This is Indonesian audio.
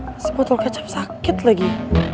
masih butuh kecap sakit lagi